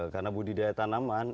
karena budidaya tanaman